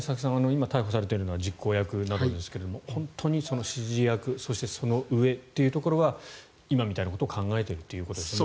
今、逮捕されているような実行役などですが本当に指示役そして、その上というところは今みたいなことを考えているということですね。